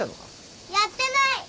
やってない！